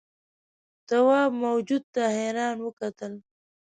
تواب موجود ته حیران وکتل.